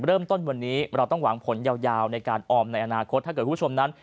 เริ่มต้นวันนี้เราต้องหวังผลยาวในการออมในอนาคตถ้าเกิดคุณผู้ชมนั้น